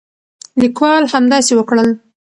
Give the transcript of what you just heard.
لیکوال همداسې وکړل.